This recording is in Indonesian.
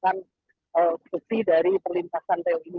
ada rangka dari keberatan besi dari perlintasan rel ini